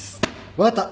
分かった。